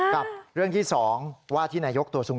กับเรื่องที่๒ว่าธินายกโตสูง